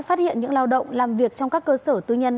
phát hiện những lao động làm việc trong các cơ sở tư nhân